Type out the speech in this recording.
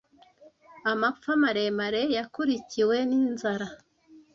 Amapfa maremare yakurikiwe ninzara.